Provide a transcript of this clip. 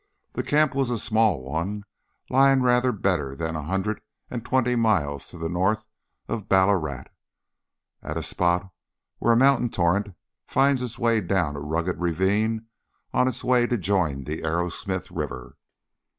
The camp was a small one, lying rather better than a hundred and twenty miles to the north of Ballarat, at a spot where a mountain torrent finds its way down a rugged ravine on its way to join the Arrowsmith River.